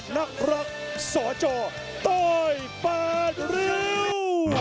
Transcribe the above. นักรักษอจอต่อยป่าริว